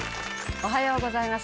おはようございます。